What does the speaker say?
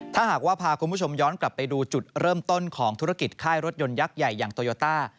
ถ้าหากว่าพาคุณผู้ชมย้อนกลับไปดูจุดเริ่มต้นของธุรกิจค่ายรถยนต์ยักษ์ใหญ่อย่างโตโยต้า